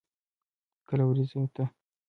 کله ورېځو ته.